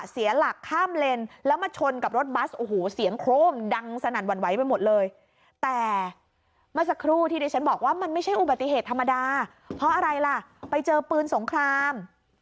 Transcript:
เสียหลักข้ามเลนแล้วมาชนกับรถบัสโอ้โหเสียงโครมดังสนั่นหวั่นไหวไปหมดเลยแต่เมื่อสักครู่ที่ดิฉันบอกว่ามันไม่ใช่อุบัติเหตุธรรมดาเพราะอะไรล่ะไปเจอปืนสงคราม